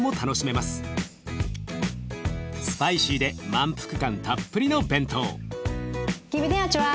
スパイシーで満腹感たっぷりの弁当。